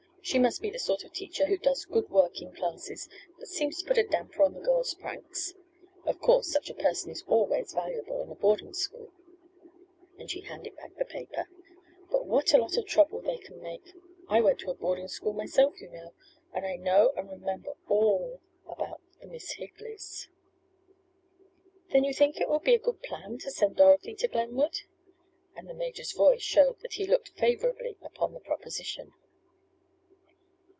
She must be the sort of teacher who does good work in classes, but seems to put a damper on the girls' pranks. Of course, such a person is always valuable in a boarding school," and she handed back the paper, "but what a lot of trouble they can make! I went to a boarding school myself, you know, and I know and remember all about the Miss Higleys." "Then you think it would be a good plan to send Dorothy to Glenwood?" and the major's voice showed that he looked favorably upon the proposition.